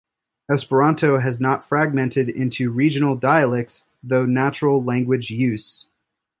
Esperanto has not fragmented into regional dialects through natural language use.